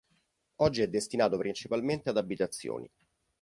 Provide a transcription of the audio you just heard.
Oggi è destinato principalmente ad abitazioni.